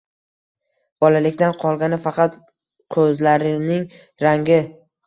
Bolalikdan qolgani — faqat qo'zlarining rangi.